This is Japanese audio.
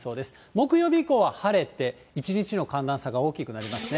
木曜日以降は晴れて、一日の寒暖差が大きくなりますね。